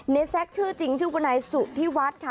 นายแซ็กชื่อจริงชื่อกะนายสุทธิวัดค่ะ